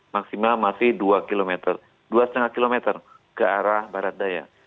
maksimal masih dua km dua lima km ke arah barat daya